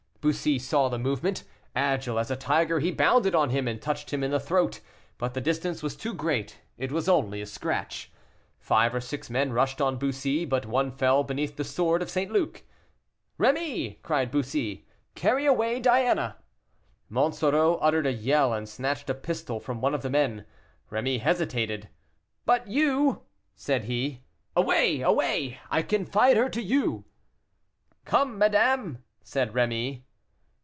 Bussy saw the movement. Agile as a tiger, he bounded on him, and touched him in the throat; but the distance was too great, it was only a scratch. Five or six men rushed on Bussy, but one fell beneath the sword of St. Luc. "Rémy!" cried Bussy, "carry away Diana." Monsoreau uttered a yell and snatched a pistol from one of the men. Rémy hesitated. "But you?" said he. "Away! away! I confide her to you." "Come, madame," said Rémy.